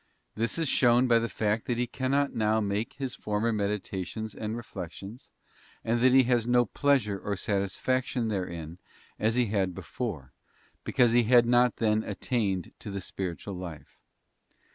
This is shown by the fact that he cannot now make his former meditations and reflections, and that he has no pleasure or satisfaction therein as he had before, because he had not then attained to the spiritual life.